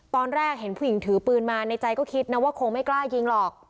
ตอนแรกเห็นผู้หญิงถือปืนมาในใจก็คิดนะว่าคงไม่กล้ายิงหรอก